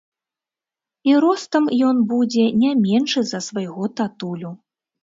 І ростам ён будзе не меншы за свайго татулю.